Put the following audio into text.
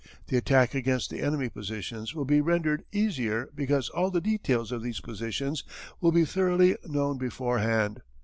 The attack against the enemy positions will be rendered easier because all the details of these positions will be thoroughly known beforehand.